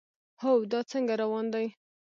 هو، دا څنګه روان دی؟